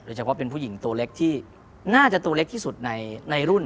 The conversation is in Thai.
เฉพาะเป็นผู้หญิงตัวเล็กที่น่าจะตัวเล็กที่สุดในรุ่น